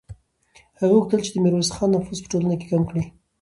هغه غوښتل چې د میرویس خان نفوذ په ټولنه کې کم کړي.